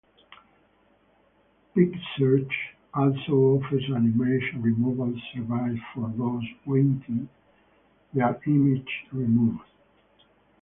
Picsearch also offers an image removal service for those wanting their images removed.